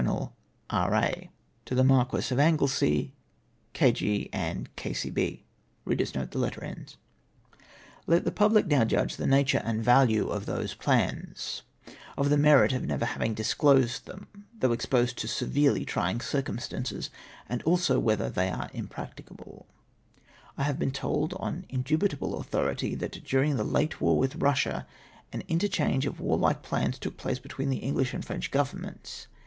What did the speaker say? E. A. " To the Mcarqiiis of Anglesey, K.G. and K.C.B." Let the public now judge of the nature and value of those plans — of the merit of never having disclosed them, though exposed to severely trying circumstances, and also whether they are impracticable, I have been told, on indubitable authority that durino; the late war with Eussia an interchano;e of warhke plans took place between the 'English and French Governments.